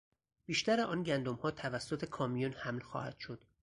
بیشتر آن گندمها توسط کامیون حمل خواهد شد.